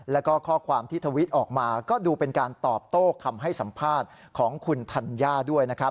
แล้วก็ข้อความที่ทวิตออกมาก็ดูเป็นการตอบโต้คำให้สัมภาษณ์ของคุณธัญญาด้วยนะครับ